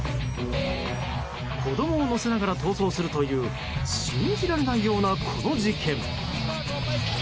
子供を乗せながら逃走するという信じられないような、この事件。